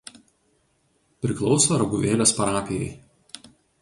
Priklauso Raguvėlės parapijai.